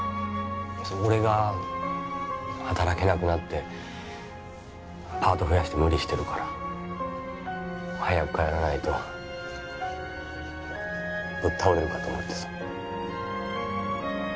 俺が働けなくなってパート増やして無理してるから早く帰らないとぶっ倒れるかと思ってさ